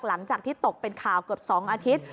หลังจากที่ตกเป็นข่าวเกือบ๒อาทิตย์